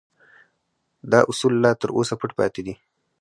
دا اصول لا تر اوسه پټ پاتې دي